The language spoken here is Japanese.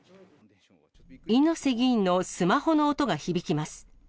猪瀬議員のスマホの音が響きます。